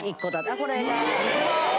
あこれが。